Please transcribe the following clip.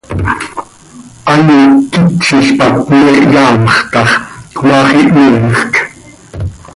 An iquitzil pac me hyaamx tax, cmaax ihmiimjc.